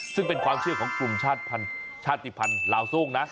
ซึ่งเป็นความเชื่อของกลุ่มชาติภัณฑ์ลาวโซ่งนะ